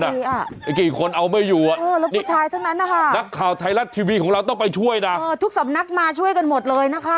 นี่กี่คนเอาไม่อยู่นักข่าวไทยรัดทีวีต้องไปช่วยนะทุกศัพหนักมาช่วยกันหมดเลยนะคะ